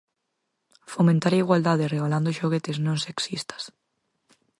Fomentar a igualdade regalando xoguetes non sexistas.